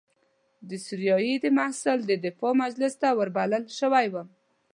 د سوریې د یوه محصل د دفاع مجلس ته وربلل شوی وم.